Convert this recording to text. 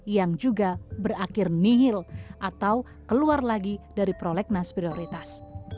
yang juga berakhir nihil atau keluar lagi dari prolegnas prioritas